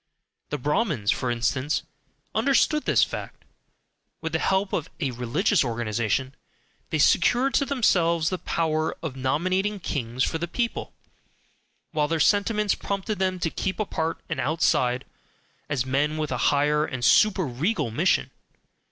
The Brahmins, for instance, understood this fact. With the help of a religious organization, they secured to themselves the power of nominating kings for the people, while their sentiments prompted them to keep apart and outside, as men with a higher and super regal mission.